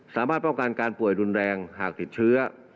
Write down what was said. สามารถป้องกันการป่วยรุนแรงหากติดเชื้อ